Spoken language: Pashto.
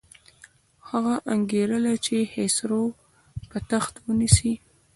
هغه انګېرله چې خسرو به تخت ونیسي.